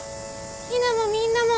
陽菜もみんなも。